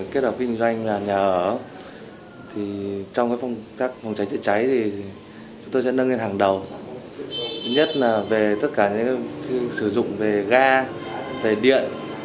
chúng tôi sẽ nâng lên hàng đầu nhất là về tất cả những sử dụng về ga về điện